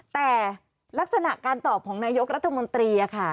แต่ลักษณะการตอบของนายกรัฐมนตรีค่ะ